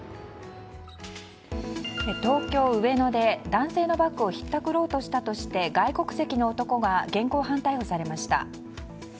東京・上野で男性のバッグをひったくろうとしたとして外国籍の男が現行犯逮捕されました。